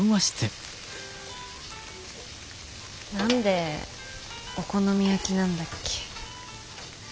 何でお好み焼きなんだっけ？